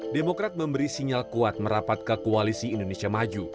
demokrat memberi sinyal kuat merapat ke koalisi indonesia maju